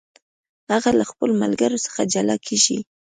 هغه له خپلو ملګرو څخه جلا کیږي.